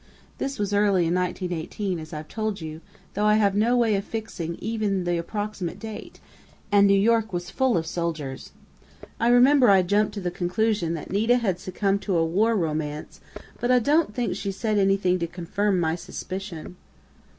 This was early in 1918, as I've told you, though I have no way of fixing even the approximate date, and New York was full of soldiers. I remember I jumped to the conclusion that Nita had succumbed to a war romance, but I don't think she said anything to confirm my suspicion."